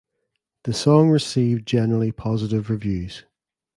The song received generally positive reviews.